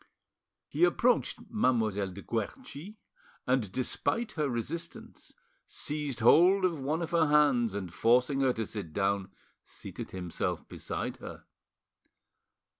He approached Mademoiselle de Guerchi, and, despite her resistance, seized hold of one of her hands, and forcing her to sit down, seated himself beside her.